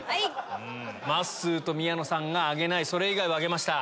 まっすーと宮野さんが挙げないそれ以外は挙げました。